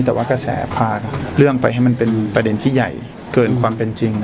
แต่ว่ากระแสพาเรื่องไปให้มันเป็นประเด็นที่ใหญ่เกินความเป็นจริง